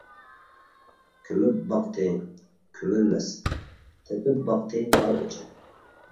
كۆمۈپ باقتى، كۆمۈلمەس، تېپىپ باقتى ھارغۇچە.